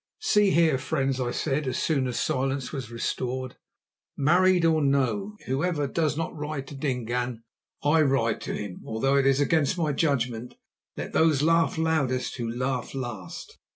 "See here, friends," I said, as soon as silence was restored; "married or no, whoever does not ride to Dingaan, I ride to him, although it is against my judgment. Let those laugh loudest who laugh last."